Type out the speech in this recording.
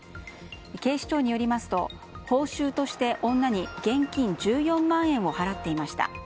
警視庁によりますと報酬として女に現金１４万円を払っていました。